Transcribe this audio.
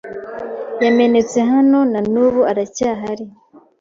yamenetse hano nanubu aracyahari